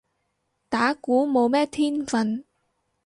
打鼓冇咩天份